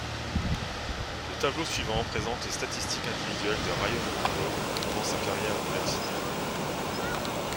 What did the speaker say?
Le tableau suivant présente les statistiques individuelles de Rajon Rondo pendant sa carrière universitaire.